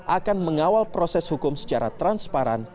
akan mengawal proses hukum secara transparan